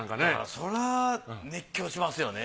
そりゃあ熱狂しますよね。